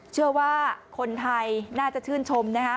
เชื่อว่าคนไทยน่าจะชื่นชมนะฮะ